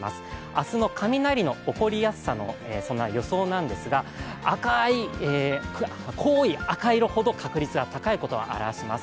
明日の雷の起こりやすさ、備え、予想なんですが、濃い赤色ほど確率が高いことを示します。